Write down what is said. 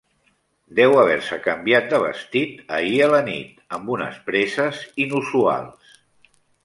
Deu haver-se canviat de vestit ahir a la nit amb unes presses inusuals.